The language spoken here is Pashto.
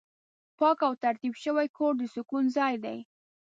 پاک او ترتیب شوی کور د سکون ځای دی.